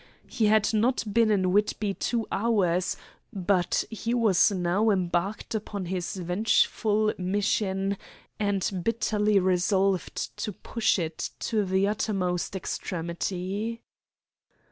He had not been in Whitby two hours, but he was now embarked upon his vengeful mission, and bitterly resolved to push it to the uttermost extremity.